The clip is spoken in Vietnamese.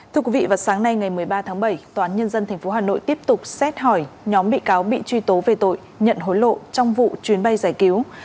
thưa quý vị vào sáng nay ngày một mươi ba tháng bảy tòa án nhân dân tp hà nội tiếp tục xét hỏi nhóm bị cáo bị truy tố về tội nhận hối lộ trong vụ chuyến bay giải cứu